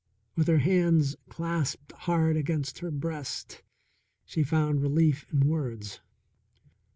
With her hands clasped hard against her breast she found relief in words.